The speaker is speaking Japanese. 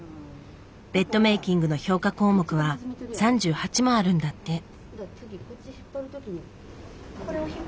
ベッドメイキングの評価項目は３８もあるんだって。